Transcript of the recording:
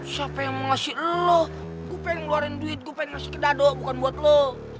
siapa yang mau ngasih lo gue pengen ngeluarin duit gue pengen ngasih dado bukan buat lo